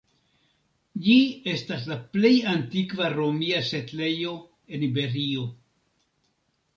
Ĝi estas la plej antikva romia setlejo en Iberio.